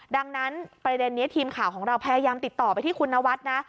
ดังนั้นประเด็นนี้ทีมข่าวของเราพยายามติดต่อไปที่คุณนวัดนะ